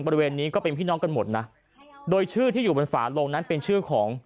บริเวณนี้ก็เป็นพี่น้องกันหมดนะโดยชื่อที่อยู่บนฝาลงนั้นเป็นชื่อของ